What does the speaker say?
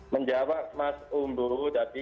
menjawab mas bumbu tadi